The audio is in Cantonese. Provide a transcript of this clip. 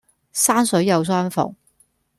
山水有相逢